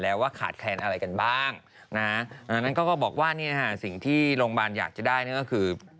แล้วว่าขาดแคลนอะไรกันบ้างบอกว่าสิ่งที่โรงพยาบาลอยากจะได้นั่นก็คือ